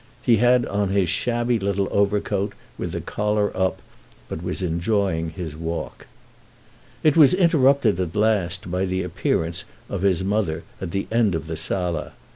He had on his shabby little overcoat, with the collar up, but was enjoying his walk. It was interrupted at last by the appearance of his mother at the end of the sala.